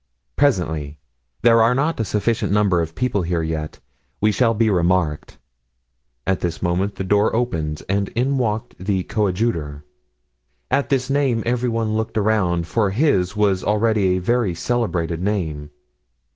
"Presently—there are not a sufficient number of people here yet; we shall be remarked." At this moment the door opened and in walked the coadjutor. At this name every one looked around, for his was already a very celebrated name.